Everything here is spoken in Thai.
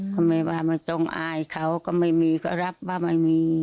ก็แม่ว่าไม่ต้องอายเค้าก็ไม่มีก็รับว่าไม่มี